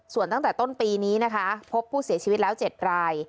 ส่วนตั้งแต่ต้นปีนี้นะคะพบผู้เสียชีวิตแล้ว๗ราย